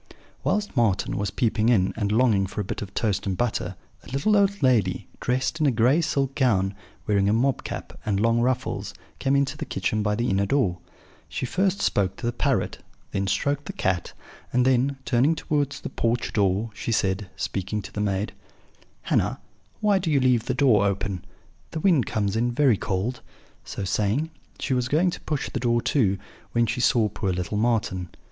"Whilst Marten was peeping in, and longing for a bit of toast and butter, a little old lady, dressed in a gray silk gown, wearing a mob cap and long ruffles, came into the kitchen by the inner door. She first spoke to the parrot, then stroked the cat; and then, turning towards the porch door, she said (speaking to the maid): [Illustration: "A little old lady, dressed in a gray silk gown, came into the kitchen." Page 101.] "'Hannah, why do you leave the door open? The wind comes in very cold.' So saying, she was going to push the door to, when she saw poor little Marten.